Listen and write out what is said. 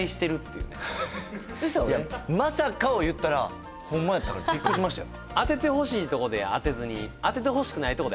まさかを言ったらホンマやったからビックリしましたよ